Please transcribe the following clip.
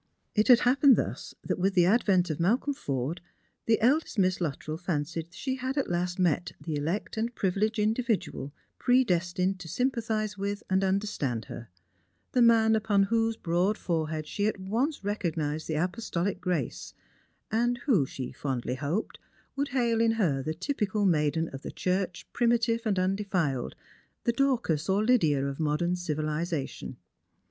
It had happened thus, that with the advent of Malcolm Fordc, the eldest Miss Luttrell fancied she had at last met the elect and privileged individual predestined to sympa thise with, and understand her; the man upon whose broad forehead she at once recognised the apostolic grace, and who, she fondly hoped, would hail in her the typical maiden of the church primitive and undetiled, the Dorcas or Lydia of modern civilisation.